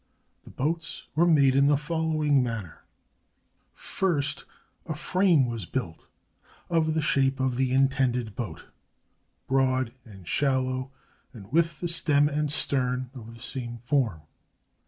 The boats were made in the following manner: first a frame was built, of the shape of the intended boat, broad and shallow and with the stem and stern of the same form.